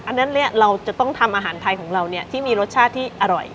อันนั้นเราจะต้องทำอาหารไทยของเราที่มีรสชาติที่อร่อย